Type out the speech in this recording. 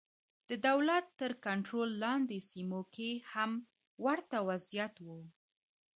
د دولت تر کنټرول لاندې سیمو کې هم ورته وضعیت و.